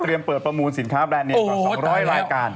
เปิดประมูลสินค้าแบรนด์เนมกว่า๒๐๐รายการ